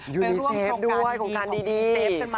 ไปร่วมโครงการดี